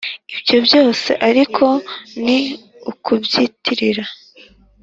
ibyo byose ariko ni ukubyitirira